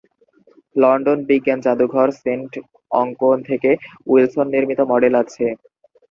London বিজ্ঞান জাদুঘর saint অঙ্কন থেকে উইলসন নির্মিত মডেল আছে।